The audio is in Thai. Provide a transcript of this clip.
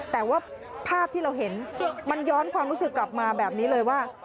แต่ว่าภาพที่เราเห็นมันย้อนความรู้สึกกลับมาแบบนี้เลยว่า